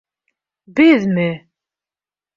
— Беҙме?!